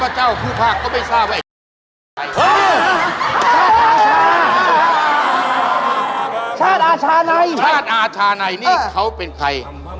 ภาษาอาชาณัยนี่เขาเป็นใคร